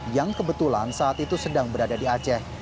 yang kebetulan saat itu sedang berada di aceh